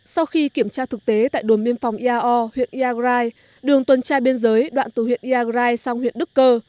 sau khi kiểm tra thực tế tại đồn biên phòng iao huyện iagrai đường tuần tra biên giới đoạn từ huyện iagrai sang huyện đức cơ